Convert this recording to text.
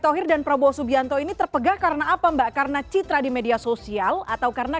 thohir dan prabowo subianto ini terpegah karena apa mbak karena citra di media sosial atau karena